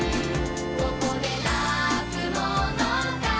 「ここで泣くものか」